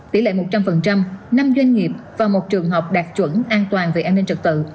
tỷ lệ một trăm linh năm doanh nghiệp và một trường học đạt chuẩn an toàn về an ninh trật tự